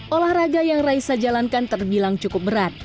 olahraga yang raisa jalankan terbilang cukup berat